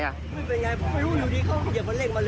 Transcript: รู้อยู่ดิเขาเหยียบเครื่องเร็งมาเลย